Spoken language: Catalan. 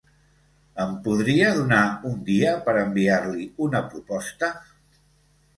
Em podria donar un dia per enviar-li una proposta?